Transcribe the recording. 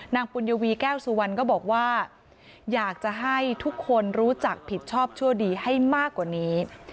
ปุญวีแก้วสุวรรณก็บอกว่าอยากจะให้ทุกคนรู้จักผิดชอบชั่วดีให้มากกว่านี้